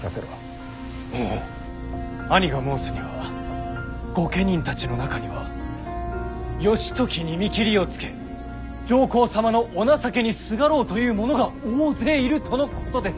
兄が申すには御家人たちの中には義時に見切りをつけ上皇様のお情けにすがろうという者が大勢いるとのことです。